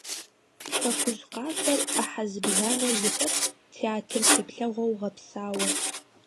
«Хэкужь къафэр» Ӏыхьэ зыбжанэу зэхэтщ, театр теплъэгъуэу гъэпсауэ.